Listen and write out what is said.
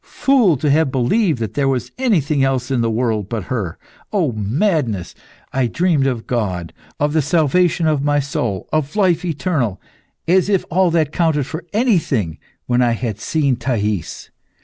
Fool to have believed that there was anything else in the world but her! Oh, madness! I dreamed of God, of the salvation of my soul, of life eternal as if all that counted for anything when I had seen Thais!